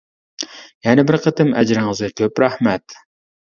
يەنە بىر قېتىم ئەجرىڭىزگە كۆپ رەھمەت!